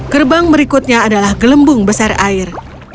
gerbang berikutnya adalah gelembung besar air